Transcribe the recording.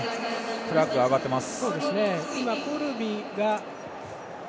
フラッグが上がっています。